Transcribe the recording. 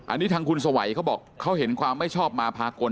อันนี้ทางคุณสวัยเขาบอกเขาเห็นความไม่ชอบมาพากล